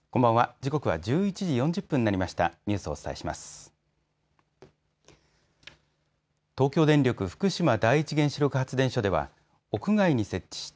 時刻は１１時４０分になりました。